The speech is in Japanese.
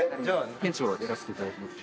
店長やらせていただいてます。